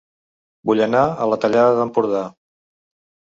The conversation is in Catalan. Vull anar a La Tallada d'Empordà